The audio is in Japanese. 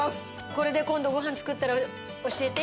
これで今度ご飯作ったら教えて。